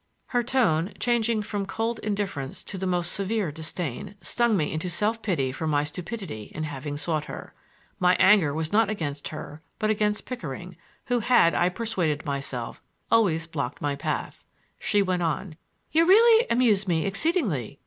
Her tone, changing from cold indifference to the most severe disdain, stung me into self pity for my stupidity in having sought her. My anger was not against her, but against Pickering, who had, I persuaded myself, always blocked my path. She went on. "You really amuse me exceedingly.